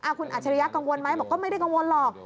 อัทยะริยะกลัวงวลไหมก็ไม่ได้กังวลหรอก